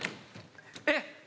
えっ⁉